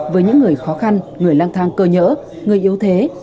với những người khó khăn người lang thang cơ nhỡ người yếu thế